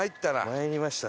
参りました。